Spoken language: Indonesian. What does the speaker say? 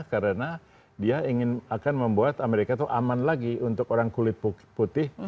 karena dia ingin akan membuat amerika tuh aman lagi untuk orang kulit putih